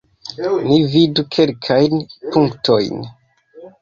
Ni vidu kelkajn punktojn.